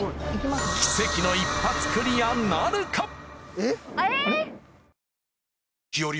奇跡の一発クリアなるか？